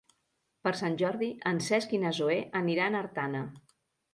Per Sant Jordi en Cesc i na Zoè aniran a Artana.